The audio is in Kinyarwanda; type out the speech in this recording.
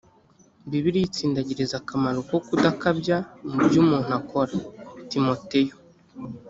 bibiliya itsindagiriza akamaro ko kudakabya mu byo umuntu akora timoteyo